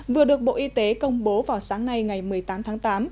vừa được bộ y tế công bố vào sáng nay ngày một mươi tám tháng tám